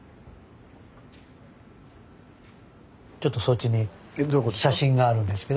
ちょっとそっちに写真があるんですけど。